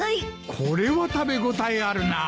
これは食べ応えあるなあ。